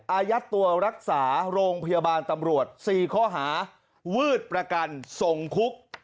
อายัดตัวรักษาโรงพยาบาลตำรวจ๔ข้อหาวืดประกันส่งคุก